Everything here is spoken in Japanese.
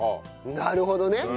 なるほどね。